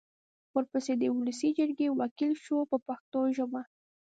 ورپسې د ولسي جرګې وکیل شو په پښتو ژبه.